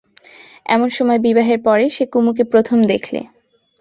এমন সময় বিবাহের পরে সে কুমুকে প্রথম দেখলে।